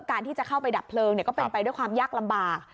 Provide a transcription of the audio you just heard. การที่จะเข้าไปดับเพลิงก็เป็นไปด้วยความยากลำบาก